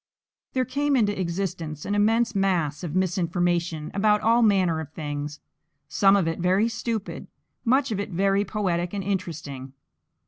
There came into existence an immense mass of misinformation about all manner of things; some of it very stupid, much of it very poetic and interesting.